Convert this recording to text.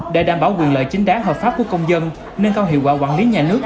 để đảm bảo quyền lợi chính đáng hợp pháp của công dân nâng cao hiệu quả quản lý nhà nước